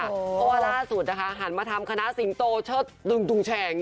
เพราะว่าล่าสุดหันมาทำคณะสิงโตเชิดดึงแฉง